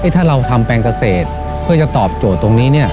ถ้าเราทำแปลงเกษตรเพื่อจะตอบโจทย์ตรงนี้